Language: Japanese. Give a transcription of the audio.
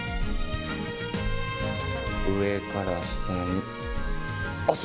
上から下に押す。